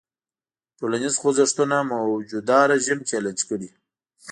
ټولنیز خوځښتونه موجوده رژیم چلنج کړي.